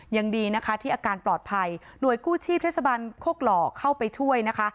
ยังดีนะคะที่อาการปลอดภัยหน่วยกู้ชีพเทศบันโคกหล่อเข้าไปช่วยนะคะ